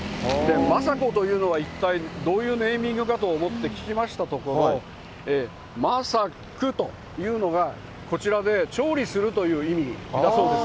マサコというのは一体どういうネーミングかと思って、聞きましたところ、マサックというのがこちらで調理するという意味だそうです。